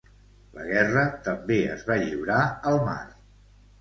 La guerra també es va lliurar al mar.